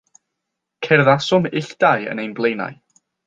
Cerddasom ill dau yn ein blaenau.